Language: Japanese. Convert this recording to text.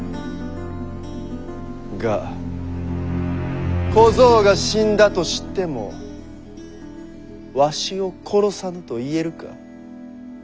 が小僧が死んだと知ってもわしを殺さぬと言えるか？